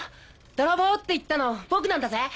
泥棒！って言ったの僕なんだぜ。